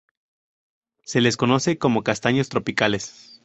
Se les conoce como castaños tropicales.